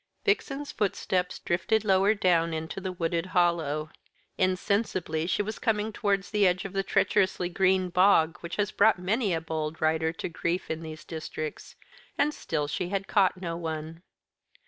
Vixen's footsteps drifted lower down into the wooded hollow; insensibly she was coming towards the edge of the treacherously green bog which has brought many a bold rider to grief in these districts, and still she had caught no one.